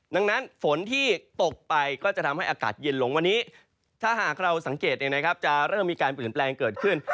ดังนั้นฝนที่ตกไปก็จะทำให้อากาศเย็นลงวันนี้ถ้าหากเราสังเกตจะเริ่มมีการเปลี่ยนแปลงเกิดขึ้น